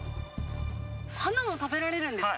花も食べられるんですか？